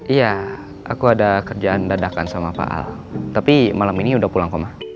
iya aku ada kerjaan dadakan sama pak al tapi malam ini udah pulang koma